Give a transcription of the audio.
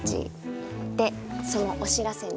でそのお知らせに。